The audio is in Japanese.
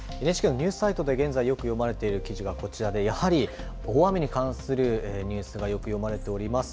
ＮＨＫのニュースサイトで現在、読まれてている記事はこちらでやはり大雨に関する記事がよく読まれています。